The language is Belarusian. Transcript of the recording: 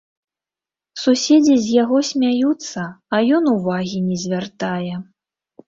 Суседзі з яго смяюцца, а ён увагі не звяртае.